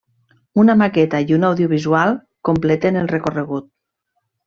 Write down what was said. Una maqueta i un audiovisual completen el recorregut.